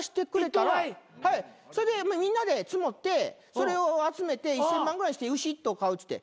それでみんなで募ってそれを集めて１，０００万ぐらいにして牛１頭買うっつって。